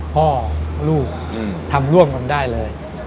พ่อลูกทำร่วมกันได้เลย